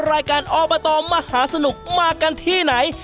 รายการอบตมหาสนุกมากันที่ไหน